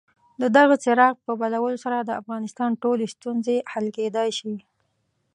د دغه څراغ په بلولو سره د افغانستان ټولې ستونزې حل کېدلای شي.